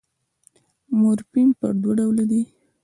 مورفیم پر دوه ډوله دئ.